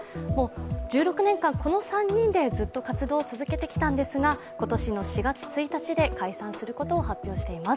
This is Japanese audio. １６年間、この３人でずっと活動を続けてきたんですが、今年の４月１日で解散することを発表しています。